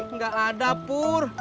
nggak ada pur